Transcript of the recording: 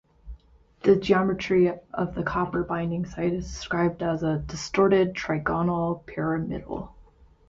The geometry of the copper binding site is described as a 'distorted trigonal pyramidal'.